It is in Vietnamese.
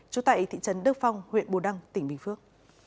trú tại thị trấn đức phong huyện bù đăng tỉnh bình phước